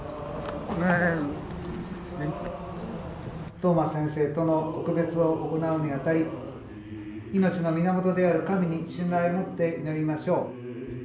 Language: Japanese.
トマス先生との告別を行うにあたり命の源である神に信頼をもって祈りましょう。